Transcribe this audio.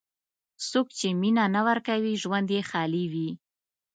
څوک چې مینه نه ورکوي، ژوند یې خالي وي.